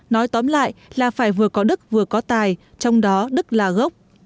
nói tóm lại là phải vừa có đức vừa có tài trong đó đức là gốc